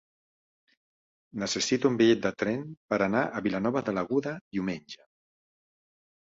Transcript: Necessito un bitllet de tren per anar a Vilanova de l'Aguda diumenge.